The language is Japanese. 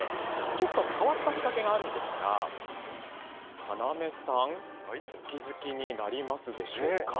ちょっと変わった仕掛けがあるんですが要さんお気付きになりますでしょうか。